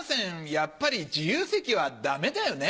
やっぱり自由席はダメだよね。